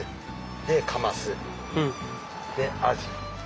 でカマスでアジ。